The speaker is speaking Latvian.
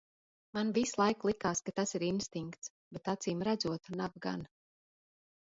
Man vislaik likās, ka tas ir instinkts, bet acīmredzot nav gan.